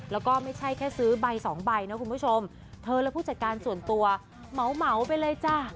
แล้วก็ไม่ใช่แค่ซื้อใบสองใบนะคุณผู้ชมเธอและผู้จัดการส่วนตัวเหมาไปเลยจ้ะ